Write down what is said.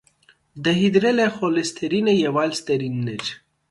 Դեհիդրել է խոլէսթերինը և այլ ստերիններ։